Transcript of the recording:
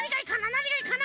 なにがいいかな？